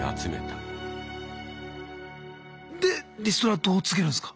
でリストラどう告げるんすか？